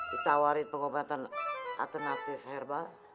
ditawarin pengobatan alternatif herbal